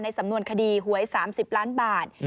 สำนวนคดีหวย๓๐ล้านบาท